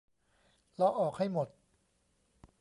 เลาะออกให้หมด